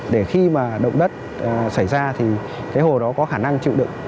để khi mà động đất xảy ra thì cái hồ đó có khả năng chịu đựng